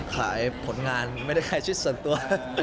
ขายผลงานไม่ได้ขายชุดส่วนตัว